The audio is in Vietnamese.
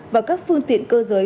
và các phương tiện cơ giới